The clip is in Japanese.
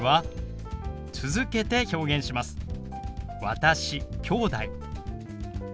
「私」「きょうだい」。